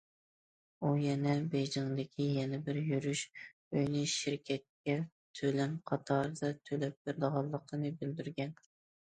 ئۇ يەنە بېيجىڭدىكى يەنە بىر يۈرۈش ئۆيىنى شىركەتكە تۆلەم قاتارىدا تۆلەپ بېرىدىغانلىقىنى بىلدۈرگەن.